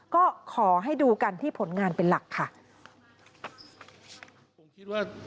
ก็ขอให้ดูกันที่ผลงานเป็นหลักค่ะ